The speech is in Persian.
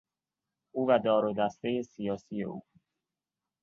او و دارودستهی سیاسی او